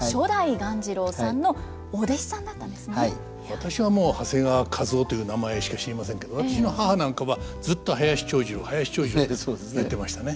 私はもう長谷川一夫という名前しか知りませんけど私の母なんかはずっと「林長二郎林長二郎」って言ってましたね。